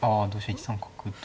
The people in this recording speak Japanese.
１三角と。